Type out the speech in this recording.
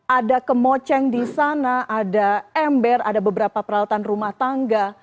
ada kemoceng di sana ada ember ada beberapa peralatan rumah tangga